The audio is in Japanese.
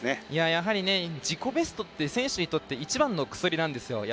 やはり、自己ベストって選手にとって一番の薬なんですよ。